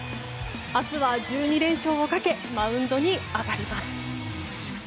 明日は１２連勝をかけマウンドに上がります。